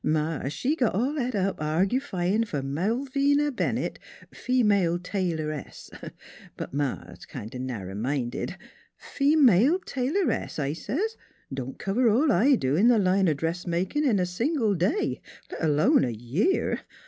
" Ma, she got all het up argufyin' for * Malvina Bennett, Female Tail oress.' But Ma's kind o' narrer minded. ' Female Tailoress,' I says, * don't cover all I do in th' line o' dressmakin' in a single day, let alone a year.